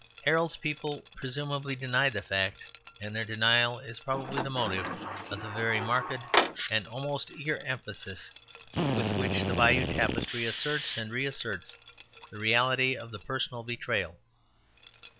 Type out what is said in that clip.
Harold's people presumably denied the fact; and their denial is probably the motive of the very marked and almost eager emphasis with which the Bayeux Tapestry asserts and reasserts the reality of the personal betrayal.